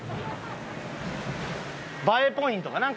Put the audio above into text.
映えポイントかな？